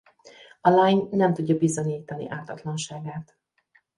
A lány nem tudja bizonyítani ártatlanságát.